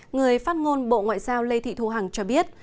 người phát ngôn bộ ngoại giao lê thị thu hằng cho biết